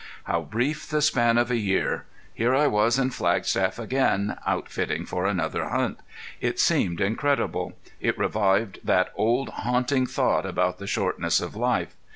How brief the span of a year! Here I was in Flagstaff again outfitting for another hunt. It seemed incredible. It revived that old haunting thought about the shortness of life.